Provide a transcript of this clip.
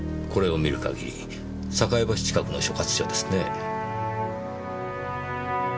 これを見る限り栄橋近くの所轄署ですねぇ。